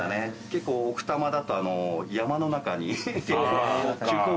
結構奥多摩だと山の中に。